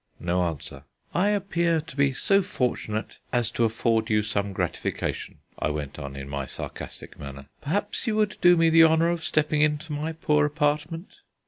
No answer. "I appear to be so fortunate as to afford you some gratification," I went on, in my sarcastic manner. "Perhaps you would do me the honour of stepping into my poor apartment?"